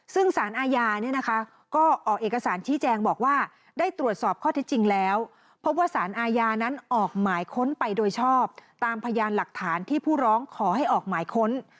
ซึ่งสารอาญาเนี่ยนะคะก็ออกเอกสารชี้แจงบอกว่าได้ตรวจสอบข้อที่จริงแล้วพบว่าสารอาญานั้นออกหมายค้นไปโดยชอบตามพยานหลักฐานที่ผู้ร้องขอให้ออกหมายค้น